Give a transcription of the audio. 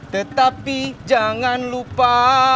tetapi jangan lupa